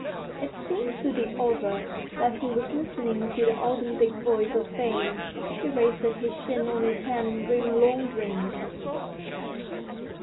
It seemed to the author that he was listening to the authentic voice of fame. He rested his chin on his hand and dreamed long dreams.